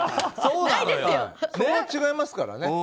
そこが違いますからね。